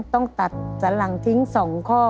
ต้องตัดสันหลังทิ้ง๒ข้อ